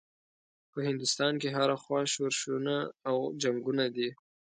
په هندوستان کې هره خوا شورشونه او جنګونه دي.